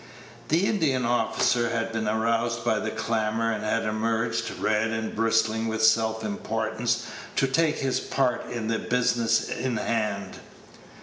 The Indian officer had been aroused by the clamor, and had emerged, red and bristling with self importance, to take his part in the business in hand.